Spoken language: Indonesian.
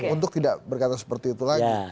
untuk tidak berkata seperti itu lagi